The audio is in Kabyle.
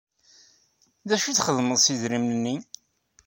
D acu i txedmeḍ s yidrimen-nni?